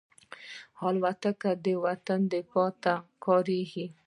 الوتکه د وطن دفاع ته کارېږي.